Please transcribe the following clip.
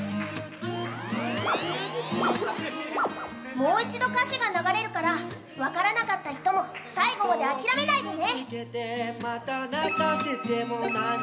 もう一度、歌詞が流れるから分からなかった人も最後まで諦めないでね。